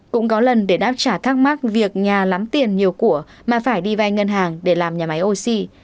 cũng có lần để đáp trả thắc mắc việc nhà lắm tiền nhiều của mà phải đi vay ngân hàng để làm nhà máy oxy